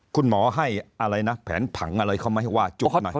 คุณหมอให้อะไรนะแผนผังอะไรเขาไหมว่าจุกหน่อย